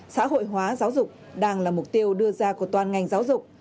xã hội hóa giáo dục đang là mục tiêu đưa ra của toàn ngành giáo dục